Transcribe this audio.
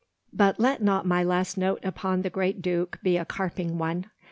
But let not my last note upon the great duke be a carping one.